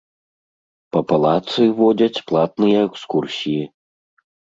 Па палацы водзяць платныя экскурсіі.